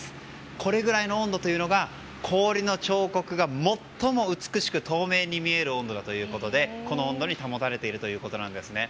これくらいの温度というのが氷の彫刻が最も美しく透明に見える温度だということでこの温度に保たれているということです。